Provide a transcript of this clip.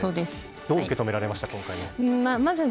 どう受け止めましたか。